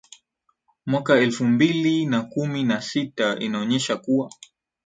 mwaka elfu mbili na kumi na sita inaonyesha kuwa